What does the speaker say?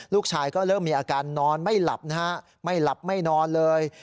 ลูกชายก็เริ่มมีอาการนอนไม่หลับนะฮะไม่หลับไม่นอนเลย